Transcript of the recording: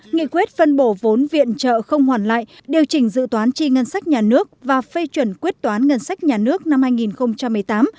nghị quyết phân bổ vốn viện trợ không hoàn lại điều chỉnh dự toán chi ngân sách nhà nước và phê chuẩn quyết toán ngân sách nhà nước năm hai nghìn một mươi tám